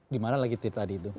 di mana lagi tita di itu